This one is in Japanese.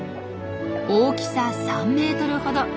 大きさ３メートルほど。